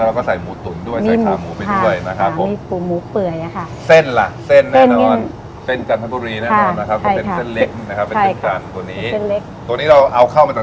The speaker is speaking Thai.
แล้วก็ใส่หมูตุ๋นด้วยใส่ขาหมูเป็นด้วยนะครับผมมีหมูเปลือยอะค่ะเส้นล่ะเส้นแน่นอน